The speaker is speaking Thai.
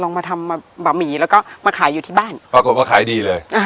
มาทำบะหมี่แล้วก็มาขายอยู่ที่บ้านปรากฏว่าขายดีเลยอ่า